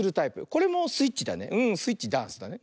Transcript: これもスイッチだねスイッチダンスだね。